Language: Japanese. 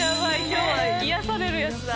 今日は癒やされるやつだ。